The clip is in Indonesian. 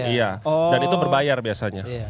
iya dan itu berbayar biasanya